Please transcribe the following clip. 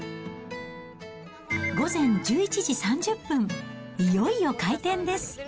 午前１１時３０分、いよいよ開店です。